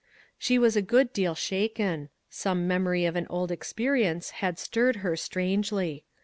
She was a good deal shaken. Some mem ory of an old experience had stirred her strangely.